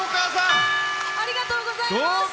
ありがとうございます！